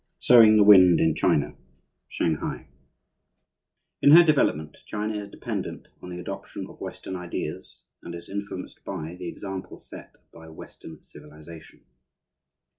V SOWING THE WIND IN CHINA SHANGHAI In her development China is dependent on the adoption of Western ideas and is influenced by the example set by Western civilization.